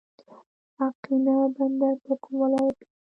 اقینه بندر په کوم ولایت کې دی؟